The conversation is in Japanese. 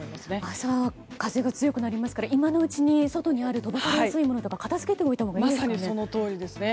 朝風が強くなりますから今のうちに外にある飛ばされやすいものとか片づけておいたほうがいいですかね。